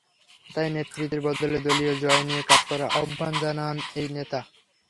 তাই নেতৃত্বের বদলে দলীয় জয় নিয়ে কাজ করার আহ্বান জানান এই নেতা।